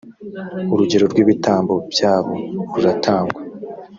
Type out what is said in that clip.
urugero rw ibitambo byabo ruratangwa